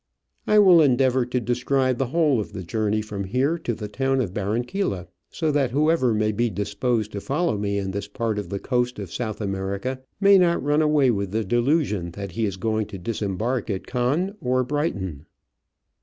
I will endeavour to describe the whole of the journey from here to the town of Barranquilla, so that whoever may be disposed to follow me in this part of the coast of South America may not run away with the delusion that he is going to disembark at Cannes or Brighton.